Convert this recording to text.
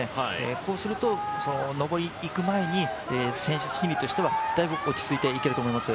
こうすると、上りに行く前に選手心理としてはだいぶ落ち着いていけると思います